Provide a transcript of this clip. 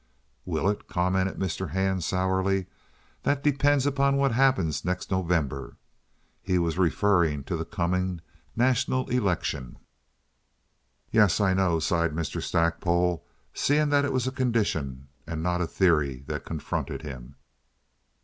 "Will it?" commented Mr. Hand, sourly. "That depends on what happens next November." (He was referring to the coming national election.) "Yes, I know," sighed Mr. Stackpole, seeing that it was a condition, and not a theory, that confronted him.